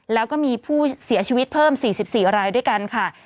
แล้วก็มีผู้เสียชีวิตเพิ่ม๔๔รายด้วยกันค่ะ